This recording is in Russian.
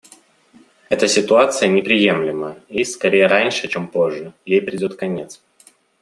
Эта ситуация неприемлема и, скорее раньше, чем позже, ей придет конец.